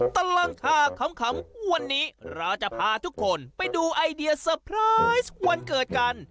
ตลอดข่าวขำวันนี้เราจะพาทุกคนไปดูไอเดียเซอร์ไพรส์วันเกิดกัน